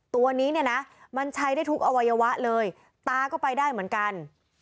ตัวนี้เนี่ยนะมันใช้ได้ทุกอวัยวะเลยตาก็ไปได้เหมือนกัน